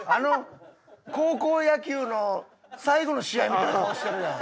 高校野球の最後の試合みたいな顔してるやん。